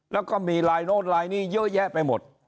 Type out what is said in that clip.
แล้วก็มีลายโน้นลายนี้เยอะแยะไปหมด